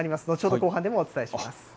後ほど後半でもお伝えします。